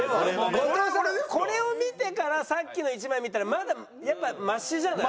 後藤さんこれを見てからさっきの１枚見たらまだやっぱマシじゃない？